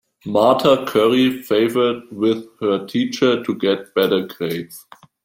Marta curry favored with her teacher to get better grades.